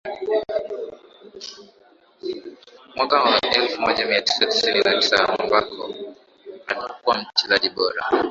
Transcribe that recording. Mwaka wa elfu moja mia tisa tisini na tisa ambako alikuwa mchezaji bora